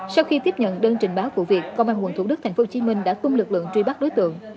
sau khi tiếp nhận đơn trình báo vụ việc công an quận thủ đức tp hcm đã tung lực lượng truy bắt đối tượng